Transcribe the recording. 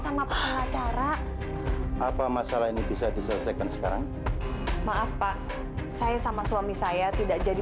sama pengacara apa masalah ini bisa diselesaikan sekarang maaf pak saya sama suami saya tidak jadi